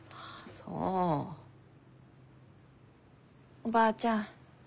おばあちゃん